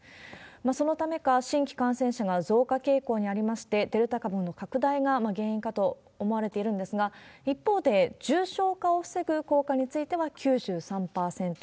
そのためか、新規感染者が増加傾向にありまして、デルタ株の拡大が原因かと思われているんですが、一方で、重症化を防ぐ効果については９３％。